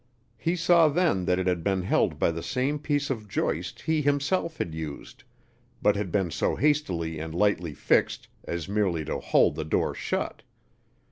He saw then that it had been held by the same piece of joist he himself had used, but had been so hastily and lightly fixed as merely to hold the door shut.